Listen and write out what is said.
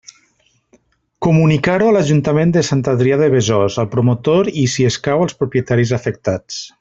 Comunicar-ho a l'Ajuntament de Sant Adrià de Besòs, al promotor i, si escau, als propietaris afectats.